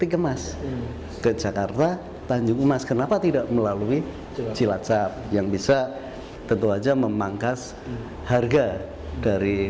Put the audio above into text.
kemas ke jakarta tanjung emas kenapa tidak melalui cilacap yang bisa tentu saja memangkas harga dari